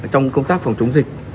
trong công tác phòng chống dịch